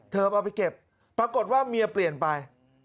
เอาไปเก็บปรากฏว่าเมียเปลี่ยนไป